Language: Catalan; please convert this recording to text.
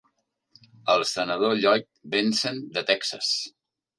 El senador Lloyd Bentsen de Texas.